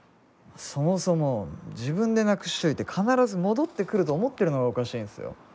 そもそも自分でなくしといて必ず戻ってくると思ってるのがおかしいんすよ。